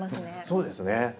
そうですね。